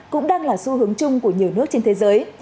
cũng đang là xu hướng chung của nhiều nước trên thế giới